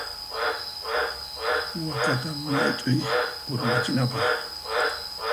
Wakata mayt'uy urmachinapaq.